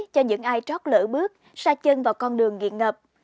cho những ai trót lỡ bước xa chân vào con đường nghiện ngập